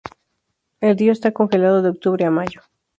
El río está congelado de octubre a mayo.